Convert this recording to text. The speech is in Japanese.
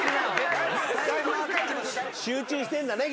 集中してんだね